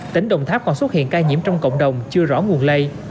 tỉnh đồng tháp còn xuất hiện ca nhiễm trong cộng đồng chưa rõ nguồn lây